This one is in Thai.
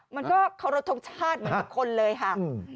มันก็ขอรับทรงชาติเหมือนคนเลยค่ะ